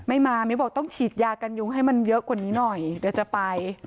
ไม่มามิ้วบอกต้องฉีดยากันยุงให้มันเยอะกว่านี้หน่อยเดี๋ยวจะไป